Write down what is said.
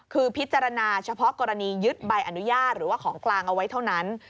คือพิจารณาเฉพาะกรณียึดใบอนุญาตหรือว่าของกลางเอาไว้เท่านั้น